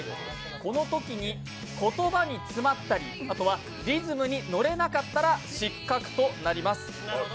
このときに、言葉に詰まったりリズムに乗れなかったら失格となります。